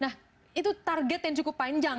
nah itu target yang cukup panjang